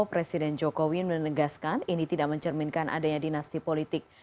presiden jokowi menegaskan ini tidak mencerminkan adanya dinasti politik